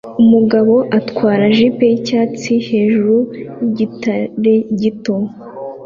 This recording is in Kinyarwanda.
Umugabo atwara jeep yicyatsi hejuru yigitare gito